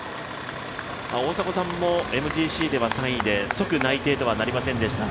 大迫さんもＭＧＣでは３位で即内定とはなりませんでした。